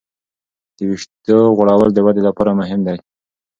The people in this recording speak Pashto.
د وېښتو غوړول د ودې لپاره مهم دی.